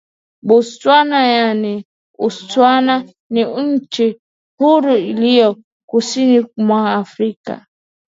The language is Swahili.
Botswana yaani Utswana ni nchi huru iliyoko Kusini mwa Afrika